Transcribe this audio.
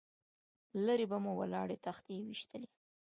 له لرې به مو ولاړې تختې ويشتلې.